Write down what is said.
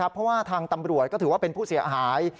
เพราะว่าทางตำรวจก็ถือว่าเป็นผู้เสียหาย